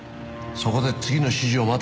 そこで次の指示を待て。